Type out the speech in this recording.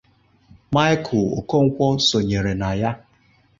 Michael Okonkwo sonyere na ya